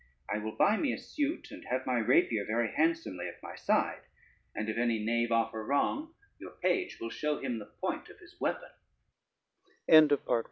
I will buy me a suit, and have my rapier very handsomely at my side, and if any knave offer wrong, your page will show him the point